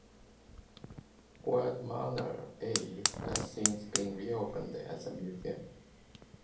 Waddamana A has since been re-opened as a museum.